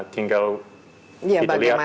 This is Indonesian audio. tinggal tidak lihat apa